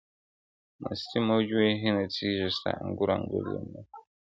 o مستي موج وهي نڅېږي ستا انګور انګور لېمو کي,